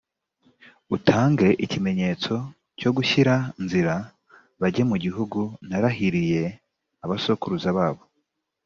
utange ikimenyetso cyo gushyira nzira, bajye mu gihugu narahiriye abasokuruza babo